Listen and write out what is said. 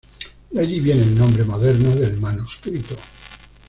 De allí viene el nombre moderno del manuscrito.